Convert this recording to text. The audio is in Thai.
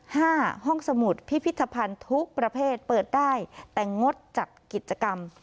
ห้องสมุดพิพิธภัณฑ์ทุกประเภทเปิดได้แต่งดจัดกิจกรรม